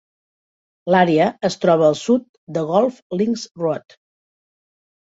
L'àrea es troba al sud de Golf Links Road.